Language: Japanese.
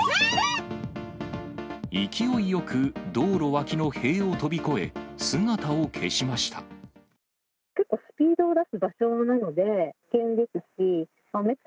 勢いよく道路脇の塀を飛び越え、姿を消しました。